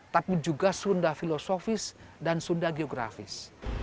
tapi juga sunda filosofis dan sunda geografis